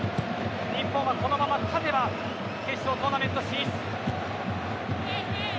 日本はこのまま勝てば決勝トーナメント進出。